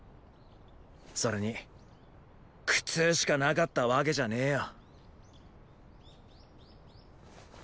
それに苦痛しかなかったわけじゃねぇよ。